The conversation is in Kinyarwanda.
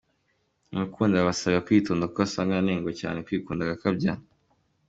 Mu rukundo aba asabwa kwitonda kuko usanga anengwa cyane kwikunda agakabya.